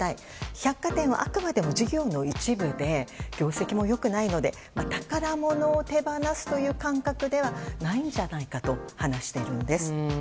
百貨店はあくまでも事業の一部で業績も良くないので宝物を手放すという感覚ではないんじゃないかと話しているんです。